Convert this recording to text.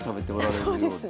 そうですね。